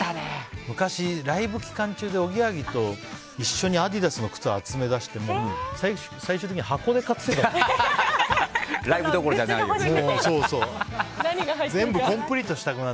昔、ライブ期間中でおぎやはぎと一緒にアディダスの靴を集めだして最終的に箱で買ってたから。